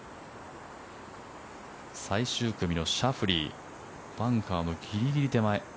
最終組のシャフリーバンカーのギリギリ手前。